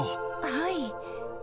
はい。